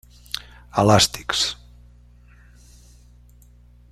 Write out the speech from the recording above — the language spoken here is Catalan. Elàstics: